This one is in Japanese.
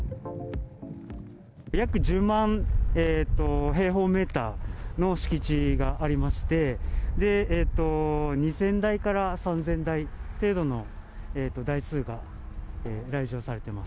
約１０万平方メーターの敷地がありまして、２０００台から３０００台程度の台数が来場されてます。